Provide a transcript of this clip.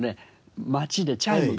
街でチャイムが。